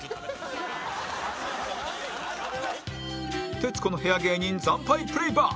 徹子の部屋芸人惨敗プレイバック